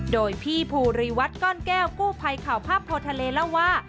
โดยพี่ภูริวัตรก้อนแก้วกู้ภัยข่าวภาพโพทะเลเล่าว่า